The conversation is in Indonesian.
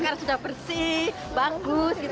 kalau hujan hujan itu berisi banyak ular ular keluar